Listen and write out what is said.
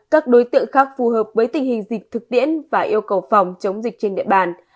các đối tượng khác phù hợp với tình hình dịch thực tiễn và yêu cầu phòng chống dịch trên địa bàn